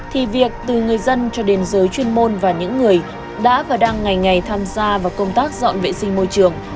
thì việc từ người dân cho đến giới chuyên môn và những người đã và đang ngày ngày tham gia vào công tác dọn vệ sinh môi trường